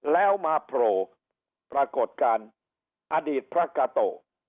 แล้วมาโผล่ปรากฏการณ์อดีตพระกาโต